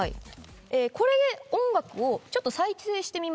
これで音楽を再生してみますね。